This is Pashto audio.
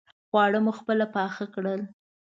خواړه مو خپله پاخه کړل.